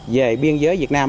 về biên giới việt nam